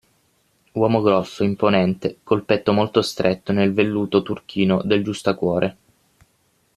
Uomo grosso, imponente, col petto molto stretto nel velluto turchino del giustacuore.